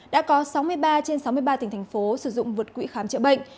đã có sáu mươi ba trên sáu mươi ba tỉnh thành phố sử dụng vượt quỹ khám chữa bệnh